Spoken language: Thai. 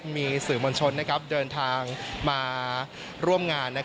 มีสื่อมวลชนเดินทางมาร่วมงาน